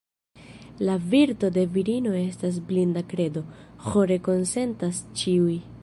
La virto de virino estas blinda kredo, ĥore konsentas ĉiuj.